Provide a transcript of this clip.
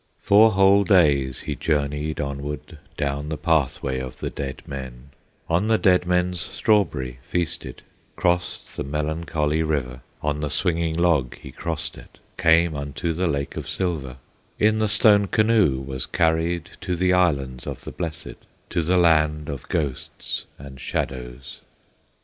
Four whole days he journeyed onward Down the pathway of the dead men; On the dead man's strawberry feasted, Crossed the melancholy river, On the swinging log he crossed it, Came unto the Lake of Silver, In the Stone Canoe was carried To the Islands of the Blessed, To the land of ghosts and shadows.